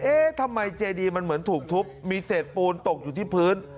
เอ๊ะทำไมเจดีมันเหมือนถูกทุบมีเศษปูนตกอยู่ที่พื้น